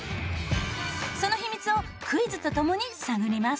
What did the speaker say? その秘密をクイズと共に探ります。